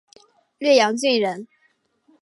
略阳郡人。